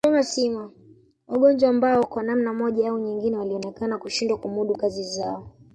Wagonjwa ambao kwa namna moja au nyingine walionekana kushindwa kumudu kazi zao